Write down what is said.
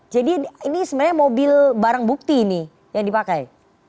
jadi ini sebenarnya mobil barang bukti ini yang dipakai